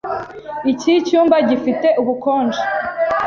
Iki cyumba gifite ubukonje.